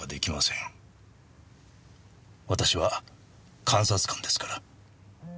私は監察官ですから。